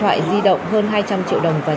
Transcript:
tài liệu có liên quan đến hành vi đánh bạc